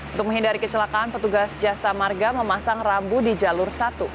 untuk menghindari kecelakaan petugas jasa marga memasang rambu di jalur satu